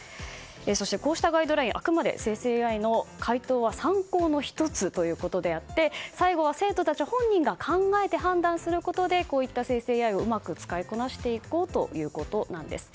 そして、こうしたガイドラインあくまで生成ＡＩの回答は参考の１つということであって最後は生徒たち本人が考えて判断することでこういった生成ＡＩをうまく使いこなしていこうということなんです。